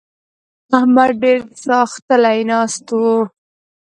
احمد ډېر ساختلی ناست وو.